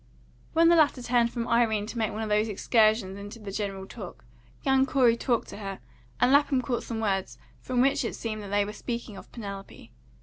When the latter turned from Irene to make one of these excursions into the general talk, young Corey talked to her; and Lapham caught some words from which it seemed that they were speaking of Penelope.